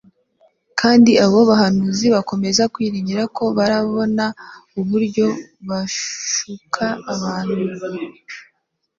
kandi abo bahanuzi bakomeza kwiringira ko barabona uburyo bashuka abantu